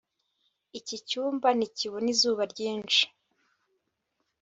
iki cyumba ntikibona izuba ryinshi